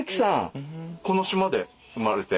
この島で生まれて？